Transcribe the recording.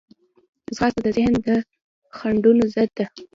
ځغاسته د ذهن د خنډونو ضد ده